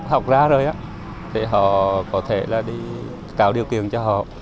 họ học ra rồi á thì họ có thể là đi tạo điều kiện cho họ